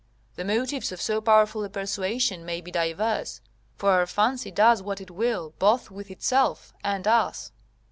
The motives of so powerful a persuasion may be diverse, for our fancy does what it will, both with itself and us.